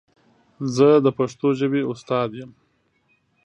زه د پښتو ژبې استاد یم.